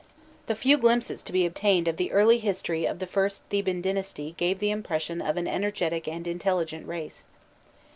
The few glimpses to be obtained of the early history of the first Theban dynasty give the impression of an energetic and intelligent race.